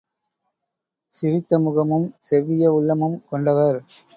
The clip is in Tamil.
சிரித்த முகமும், செவ்விய உள்ளமும் கொண்டவர்.